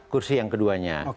kursi yang keduanya